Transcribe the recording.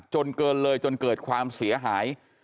เกินเลยจนเกิดความเสียหาย